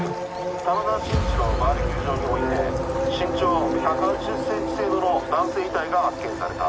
玉川新地のバーベキュー場において身長１８０センチ程度の男性遺体が発見された